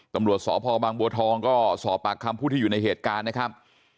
ตำรวจสพบางบัวทองก็สอบปากคำผู้ที่อยู่ในเหตุการณ์นะครับ